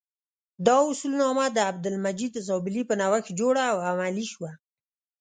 دا اصولنامه د عبدالمجید زابلي په نوښت جوړه او عملي شوه.